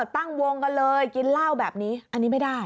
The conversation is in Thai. ตั้งวงกันเลยกินเหล้าแบบนี้อันนี้ไม่ได้